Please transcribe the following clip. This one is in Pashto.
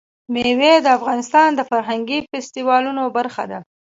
مېوې د افغانستان د فرهنګي فستیوالونو برخه ده.